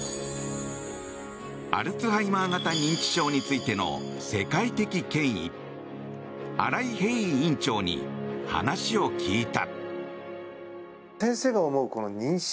アルツハイマー型認知症についての世界的権威新井平伊院長に話を聞いた。